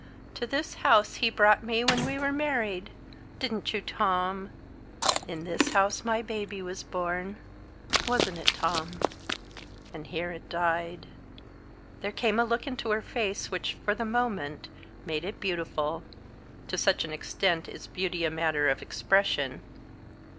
To this house he brought me when we were married didn't you, Tom? In this house my baby was born wasn't it, Tom? And here it died." There came a look into her face which, for the moment, made it beautiful; to such an extent is beauty a matter of expression.